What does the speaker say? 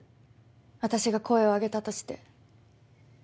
私が声を上げたとして。